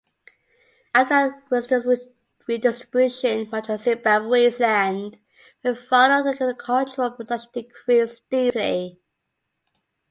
After land redistribution, much of Zimbabwe's land went fallow and agricultural production decreased steeply.